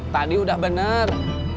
tadi sudah benar